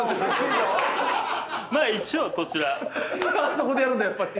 そこでやるんだやっぱり。